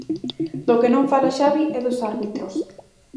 Do que non fala Xavi é dos árbitros.